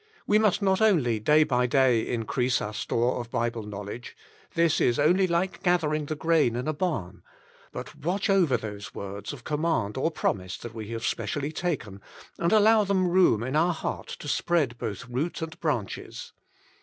We must not only day by day increase our store of Bible knowledge — this is only like gathering the grain in a barn — ^but watch over those words of command or promise that we have specially taken, and allow them room in our heart to spread both root and branches.